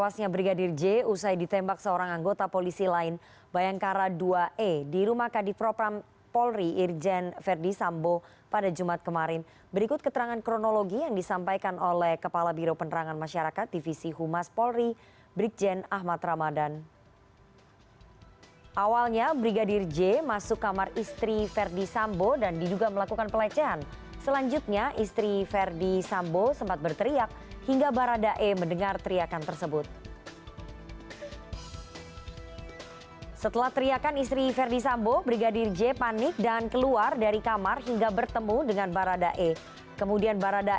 seorang perwira polisi brigadir